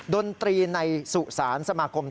ดนตรีในสู่ศาลสมาคมแต้จิ๋ว